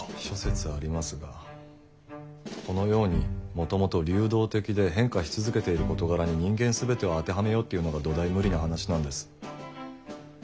諸説ありますがこのようにもともと流動的で変化し続けている事柄に人間全てを当てはめようっていうのが土台無理な話なんです。